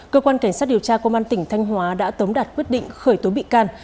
cơ quan cảnh sát điều tra công an tỉnh thanh hóa đã tống đạt quyết định khởi tố bị can